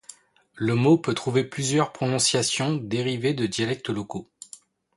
Le mot peut trouver plusieurs prononciations dérivées de dialectes locaux.